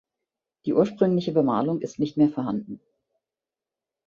Die ursprüngliche Bemalung ist nicht mehr vorhanden.